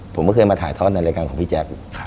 ผมก็เคยมาถ่ายทอดในรายการของพี่แจ๊ค